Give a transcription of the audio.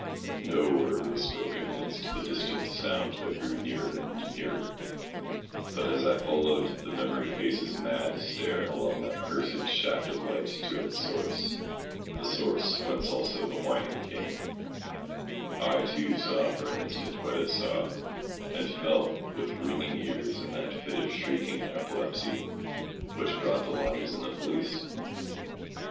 No word was spoken amidst the distant sound that grew nearer and nearer, but as I followed the memory face's mad stare along that cursed shaft of light to its source, the source whence also the whining came, I too saw for an instant what it saw, and fell with ringing ears in that fit of shrieking and epilepsy which brought the lodgers and the police.